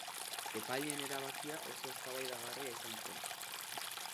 Epaileen erabakia oso eztabaidagarria izan zen.